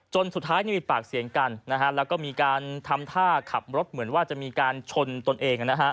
สุดท้ายมีปากเสียงกันนะฮะแล้วก็มีการทำท่าขับรถเหมือนว่าจะมีการชนตนเองนะฮะ